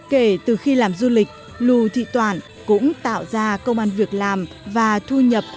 kể từ khi làm du lịch lù thị toản cũng tạo ra công an việc làm và thu nhập